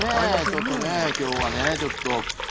ちょっとね今日はねちょっと。